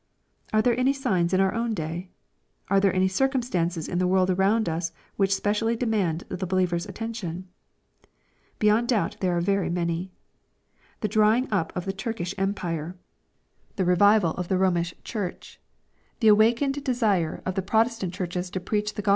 Are there any sigxis in our own day ? Are there any circumstances in the world around us which specially de* mand the believer's attention ? Beyond doubt there are very many. The drying up of the Turkish empire, — the revival of the Romish church, — the awakened desire of the 878 EXPOSITORY THOUGHTS. Protestant churches to preach the Go